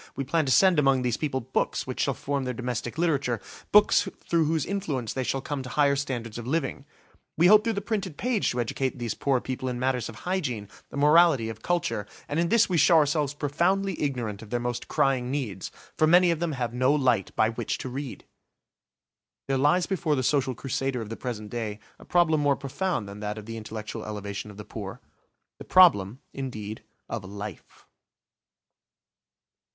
We plan to send among these people books which shall form their domestic literature–books through whose influence they shall come to higher standards of living. We hope through the printed page to educate these poor people in matters of hygiene, of morality, of culture, and in this we show ourselves profoundly ignorant of their most crying needs. For many of them have no light by which to read! There lies before the social crusader of the present day a problem more profound than that of the intellectual elevation of the poor; the problem, indeed, of life.